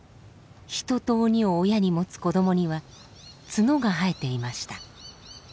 人と鬼を親に持つ子どもには角が生えていました。